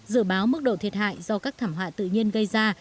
dự báo mức độ thiệt hại do các thảm họa tự nhiên gây ra